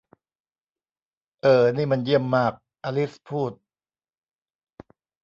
'เอ่อนี่มันเยี่ยมมาก !' อลิซพูด